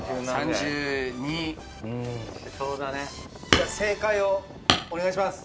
じゃあ正解をお願いします。